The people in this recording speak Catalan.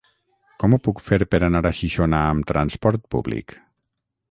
Com ho puc fer per anar a Xixona amb transport públic?